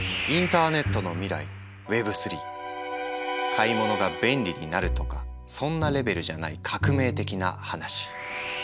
買い物が便利になるとかそんなレベルじゃない革命的なハナシ。